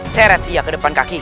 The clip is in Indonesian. seret dia ke depan kaki ku